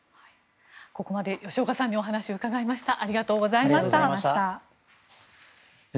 ここまで吉岡さんにお話を伺いました。